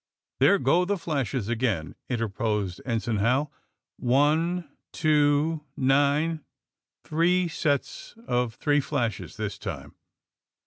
"There go the flashes again!" interposed En sign Hal. "One, two — ^nine. Three sets of three flashes this time."